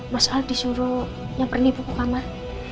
mas aldi suruh nyamperin ibu ke kamar